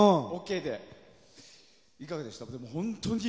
いかがでしたか？